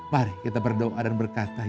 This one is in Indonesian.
mari kita berdoa dan berkata